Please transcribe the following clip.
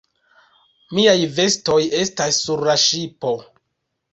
Miaj vestoj estas sur la ŝipo.